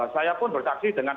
saya pun berdaksi dengan